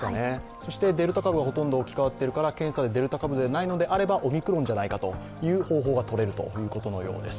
そしてデルタ株はほとんど置き換わっているから、検査でデルタ株でなければオミクロンではないかという方法がとれるということのようです。